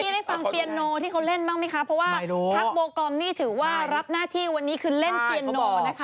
ได้ฟังเปียโนที่เขาเล่นบ้างไหมคะเพราะว่าพักโบกอมนี่ถือว่ารับหน้าที่วันนี้คือเล่นเปียโนนะคะ